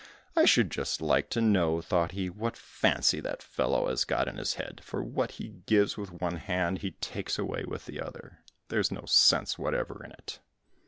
"I should just like to know," thought he, "what fancy that fellow has got in his head, for what he gives with one hand he takes away with the other there is no sense whatever in it!"